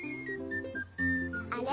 あれ？